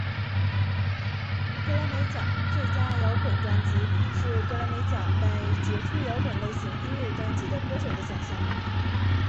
葛莱美奖最佳摇滚专辑是葛莱美奖颁予杰出摇滚类型音乐专辑的歌手的奖项。